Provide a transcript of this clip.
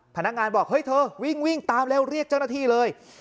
พนักงานบอกเฮ้ยเธอวิ่งตามเร็วเรียกเจ้าหน้าที่เลย